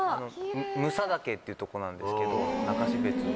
武佐岳っていうとこなんですけど中標津の。